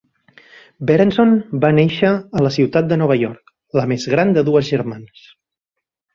Berenson va néixer a la ciutat de Nova York, la més gran de dues germanes.